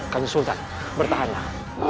kau sultan bertahanlah